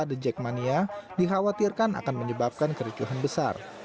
the jack mania dikhawatirkan akan menyebabkan kericuhan besar